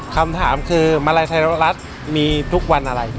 คำถามคือมาลัยไทยรัฐมีทุกวันอะไร